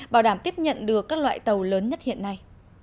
bảo đảm tiếp nhận được các loại tàu lớn nhất hiện nay